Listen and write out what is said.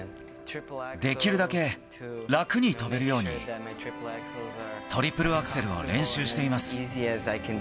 できるだけ楽に跳べるように、トリプルアクセルを練習しています。